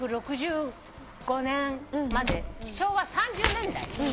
１９６５年まで昭和３０年代。